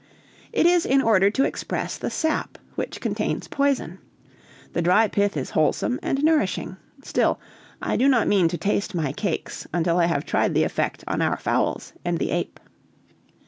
"It is in order to express the sap, which contains poison. The dry pith is wholesome and nourishing. Still, I do not mean to taste my cakes, until I have tried the effect on our fowls and the ape."